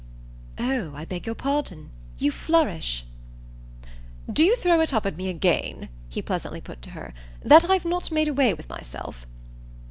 "Oh I beg your pardon. You flourish." "Do you throw it up at me again," he pleasantly put to her, "that I've not made away with myself?"